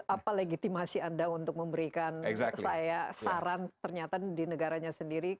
apa legitimasi anda untuk memberikan saya saran ternyata di negaranya sendiri